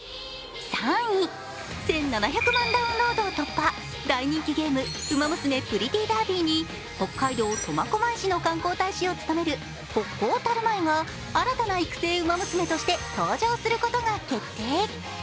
１７００万ダウンロードを突破、大人気ゲーム「ウマ娘プリティーダービー」に北海道苫小牧市の観光大使を務めるホッコータルマエが新たな育成ウマ娘として登場することが決定。